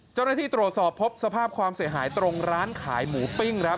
เจ้าหน้าที่ตรวจสอบพบสภาพความเสียหายตรงร้านขายหมูปิ้งครับ